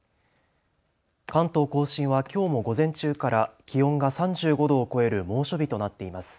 関東甲信は、きょうも午前中から気温が３５度を超える猛暑日となっています。